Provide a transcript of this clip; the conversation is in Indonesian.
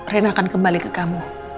rena akan kembali ke kamu